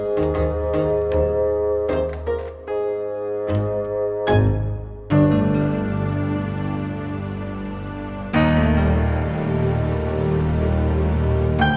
kita cari rumah yang lain aja